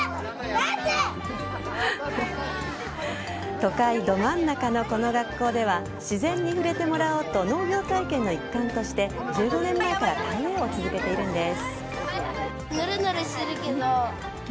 都会ど真ん中のこの学校では自然に触れてもらおうと農業体験の一環として１５年前から田植えを続けているんです。